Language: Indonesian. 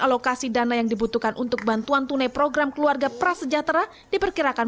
alokasi dana yang dibutuhkan untuk bantuan tunai program keluarga prasejahtera diperkirakan